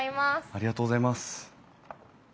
ありがとうございます。